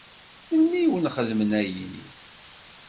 Melmi i wen-xedmen ayenni?